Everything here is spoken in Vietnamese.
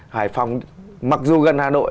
hải phòng mặc dù gần hà nội